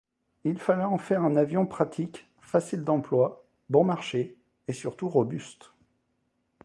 Il fallait en faire un avion pratique, facile d'emploi, bon marché, et surtout robuste.